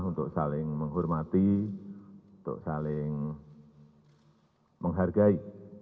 untuk saling menghormati untuk saling menghargai